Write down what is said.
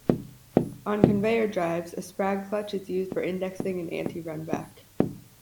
On conveyor drives, a sprag clutch is used for indexing and anti-runback.